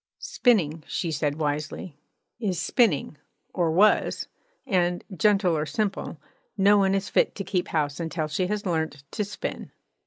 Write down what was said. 'Spinning,' she said wisely, 'is spinning, or was; and, gentle or simple, no one is fit to keep house until she has learnt to spin.'